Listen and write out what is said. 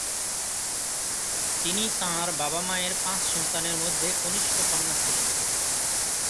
তিনি তাঁর বাবা-মায়ের পাঁচ সন্তানের মধ্যে কনিষ্ঠ কন্যা ছিলেন।